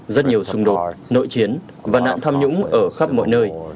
rất nhiều xung đột nội chiến và nạn tham nhũng ở khắp mọi nơi